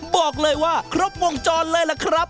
บอกเลยว่าครบวงจรเลยล่ะครับ